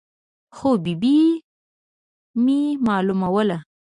خو ببۍ مې معلوموله.